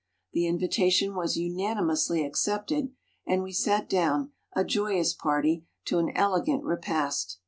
The invitation was unanimously accepted and we sat down, a joyous party, to an ele gant repast.